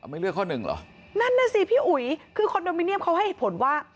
ไม่เลือกข้อหนึ่งเหรอนั่นน่ะสิพี่อุ๋ยคือคอนโดมิเนียมเขาให้เหตุผลว่า